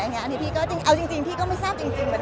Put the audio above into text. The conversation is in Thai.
เอาจริงพี่ก็ไม่ทราบจริงเหมือนกัน